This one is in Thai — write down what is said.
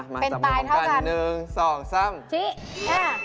มาจากมุมกัน๑๒๓ชิ้น